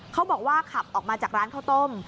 เขาบอกว่าขับออกมาจากร้านข้าวต้ม